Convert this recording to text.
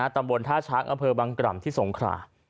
ตำบลท่าช้างอำเภอบังกล่ำที่สงขรา